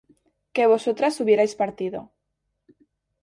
que vosotras hubierais partido